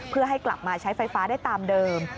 เพื่อให้กลับมาใช้ไฟฟ้าได้ตามเดิม